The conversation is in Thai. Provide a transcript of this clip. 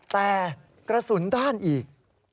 แต่กระสุนด้านอีก